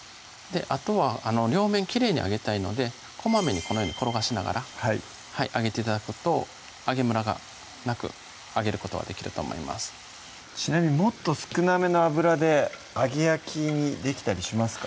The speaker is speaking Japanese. あとは両面きれいに揚げたいのでこまめにこのように転がしながら揚げて頂くと揚げむらがなく揚げることができると思いますちなみにもっと少なめの油で揚げ焼きにできたりしますか？